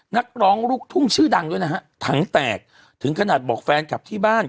นักร้องลูกทุ่งชื่อดังด้วยนะฮะถังแตกถึงขนาดบอกแฟนคลับที่บ้าน